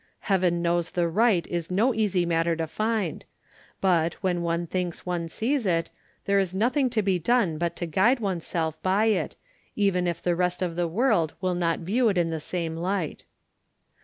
Heaven knows the right is no easy matter to find; but, when one thinks one sees it, there is nothing to be done but to guide oneself by it, even if the rest of the world will not view it in the same light."